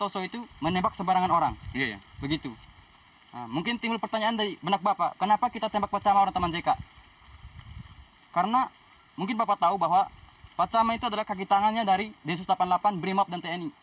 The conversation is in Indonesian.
video berikut ini adalah bersumber dari tim satgas tirumbala